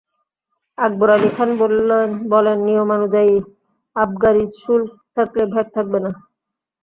আকবর আলি খান বলেন, নিয়মানুযায়ী আবগারি শুল্ক থাকলে ভ্যাট থাকবে না।